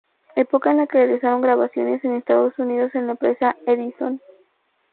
Época en la que realizaron grabaciones en Estados Unidos en la empresa Edison.